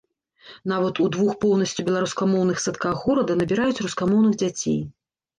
Нават у двух поўнасцю беларускамоўных садках горада набіраюць рускамоўных дзяцей.